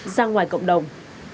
ra ngoài cộng đồng